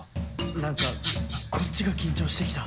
何かこっちが緊張して来た